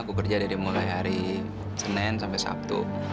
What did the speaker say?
aku kerja dari mulai hari senin sampai sabtu